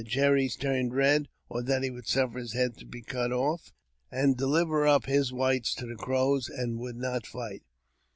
cherries turned red, or that he would suffer his head to be off, and deliver up his whites to the Crows, and would ni fight.